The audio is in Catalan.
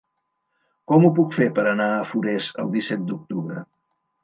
Com ho puc fer per anar a Forès el disset d'octubre?